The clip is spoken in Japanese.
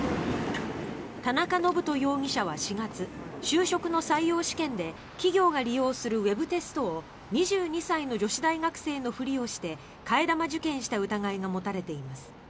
田中信人容疑者は４月就職の採用試験で企業が利用するウェブテストを２２歳の女子大学生のふりをして替え玉受験した疑いが持たれています。